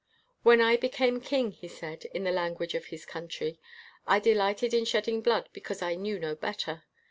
"When I became king," he said, in the language of his country, "I delighted in shedding blood because I knew no better.